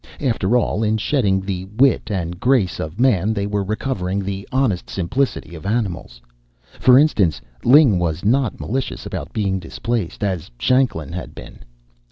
After all, in shedding the wit and grace of man, they were recovering the honest simplicity of animals. For instance, Ling was not malicious about being displaced, as Shanklin had been.